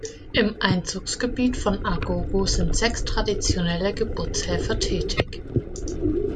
Im Einzugsgebiet von Agogo sind sechs traditionelle Geburtshelfer tätig.